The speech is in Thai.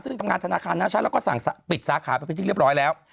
ซึ่งทำงานธนาคารหน้าชั้นแล้วก็สั่งปิดสาขาไปเป็นที่เรียบร้อยแล้ว